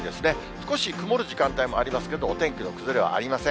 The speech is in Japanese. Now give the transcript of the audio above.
少し曇る時間帯もありますけれども、お天気の崩れはありません。